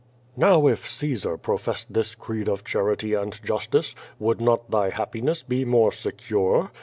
Kow if Caesar professed this creed of charity and justice, would not thy happiness be more secure?